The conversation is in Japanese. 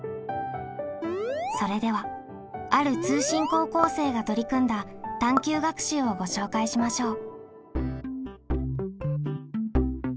それではある通信高校生が取り組んだ探究学習をご紹介しましょう。